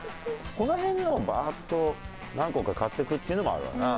この辺のをバーッと何個か買っていくっていうのもあるわな。